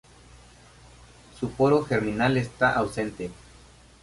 Su poro germinal está ausente.